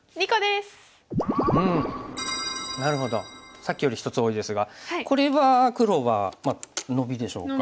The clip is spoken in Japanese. さっきより１つ多いですがこれは黒はノビでしょうか。